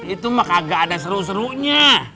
itu mah kagak ada seru serunya